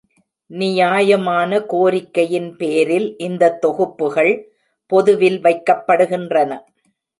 நியாயமான கோரிக்கையின் பேரில் இந்த தொகுப்புகள் பொதுவில் வைக்கப்படுகின்றன.